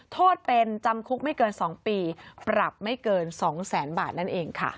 โทษเป็นจำคุกไม่เกิน๒ปีปรับไม่เกิน๒แสนบาทนั่นเองค่ะ